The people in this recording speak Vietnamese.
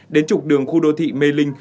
đến trục đường khu đô thị mê linh